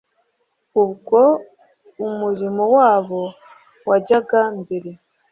Ubwo umurimo wabo wajyaga mbere